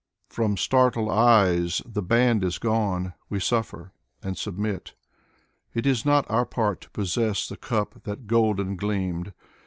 From startled eyes the band is gone, We suffer and submit. It is not our part to possess The cup that golden gleamed.